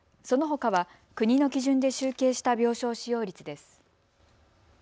そのほかは国の基準で集計した病床使用率です。